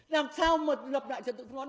làm sao mà lập lại trận tự phân bón